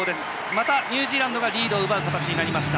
またニュージーランドがリードを奪う形になりました。